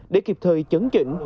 để kịp thời chấn chỉnh